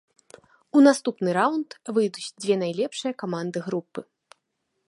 У наступны раўнд выйдуць дзве найлепшыя каманды групы.